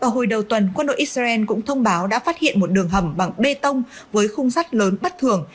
hồi đầu tuần quân đội israel cũng thông báo đã phát hiện một đường hầm bằng bê tông với khung sắt lớn bất thường